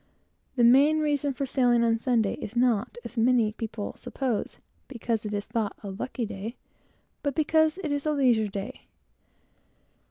The main reason for sailing on the Sabbath is not, as many people suppose, because Sunday is thought a lucky day, but because it is a leisure day.